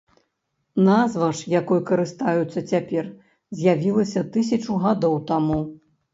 Назва ж, якой карыстаюцца цяпер, з'явілася тысячу гадоў таму.